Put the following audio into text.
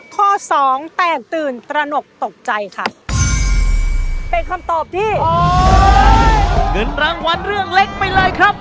ข้อสองแตกตื่นตระหนกตกใจค่ะเป็นคำตอบที่เงินรางวัลเรื่องเล็กไปเลยครับ